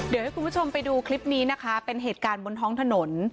เดี๋ยวให้คุณผู้ชมไปดูคลิปนี้นะคะเป็นเหตุการณ์บนท้องถนน